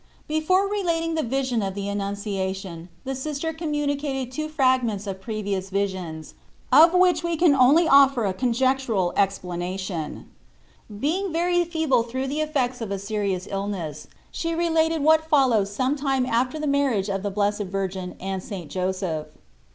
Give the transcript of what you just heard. BEFORE relating the vision of the An nunciation the Sister communicated two fragments of previous visions, of which we can only offer a conjectural explana tion. Being still very feeble through the effects of a serious illness, she related what follows some time after the mar riage of the Blessed Virgin and St. Joseph.